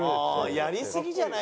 やりすぎじゃない？